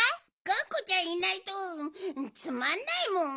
がんこちゃんいないとつまんないもん。